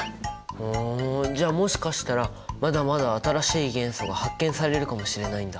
ふんじゃあもしかしたらまだまだ新しい元素が発見されるかもしれないんだ。